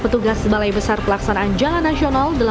petugas balai besar pelaksanaan jalan nasional